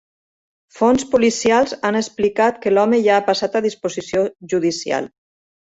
Fonts policials han explicat que l’home ja ha passat a disposició judicial.